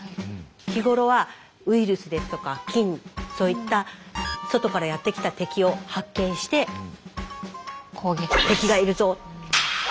日頃はウイルスですとか菌そういった外からやってきた敵を発見して「敵がいるぞ」。